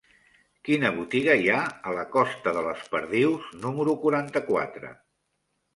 Quina botiga hi ha a la costa de les Perdius número quaranta-quatre?